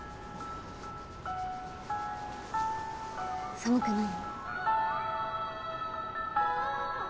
寒くない？